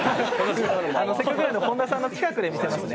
せっかくなので本田さんの近くで見せますね。